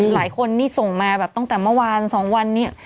หลายคนนี่ส่งมาแบบตั้งแต่เมื่อวาน๒วันนี้